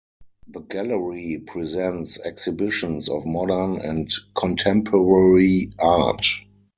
The gallery presents exhibitions of modern and contemporary art.